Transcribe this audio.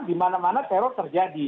di mana mana teror terjadi